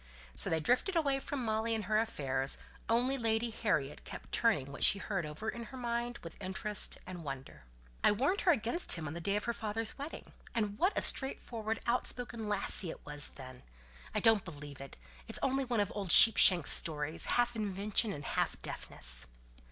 So they drifted away from Molly and her affairs; only Lady Harriet kept turning what she had heard over in her own mind with interest and wonder. "I warned her against him the day of her father's wedding. And what a straightforward, out spoken topic it was then! I don't believe it; it's only one of old Sheepshanks' stories, half invention and half deafness."